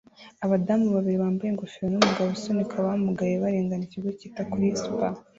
Abadamu babiri bambaye ingofero numugabo usunika abamugaye barengana ikigo cyita kuri spa